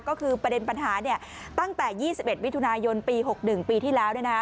ก็คือประเด็นปัญหาตั้งแต่๒๑มิถุนายนปี๖๑ปีที่แล้ว